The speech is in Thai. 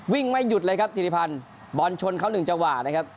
วิ่งไม่หยุดเลยครับธิริพันธ์บอลชนเขาหนึ่งจังหวะนะครับ